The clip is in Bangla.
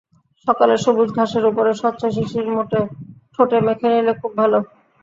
সকালের সবুজ ঘাসের ওপরের স্বচ্ছ শিশির ঠোঁটে মেখে নিলে খুব ভালো।